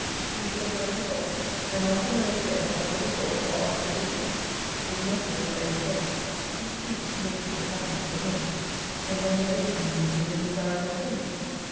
You shall direct the whole. And on some early day, either before, or after we fix, [it must be at your own choice], be pleased to make me the happiest of men. And then will every thing be in a desirable train.